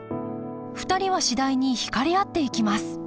２人は次第に引かれ合っていきます